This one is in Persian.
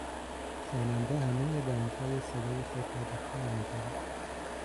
خواننده همهی دانگهای صدای خود را به کار میگرفت.